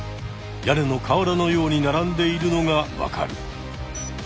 屋根のかわらのように並んでいるのがわかる。